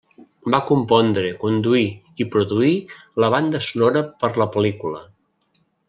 Va compondre, conduir i produir la banda sonora per la pel·lícula.